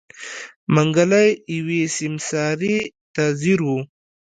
منګلی يوې سيمسارې ته ځير و.